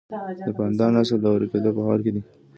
د پاندا نسل د ورکیدو په حال کې دی